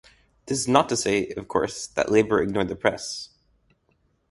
This is not to say, of course, that Labour ignored the press.